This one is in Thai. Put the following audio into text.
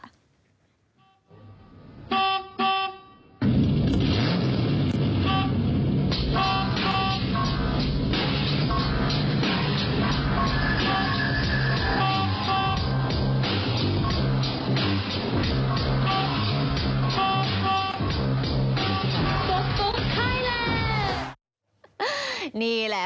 ตุ๊กไทยแลนด์